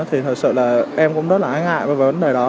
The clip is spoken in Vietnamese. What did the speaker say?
thì thật sự là em cũng rất là ái ngại với vấn đề đó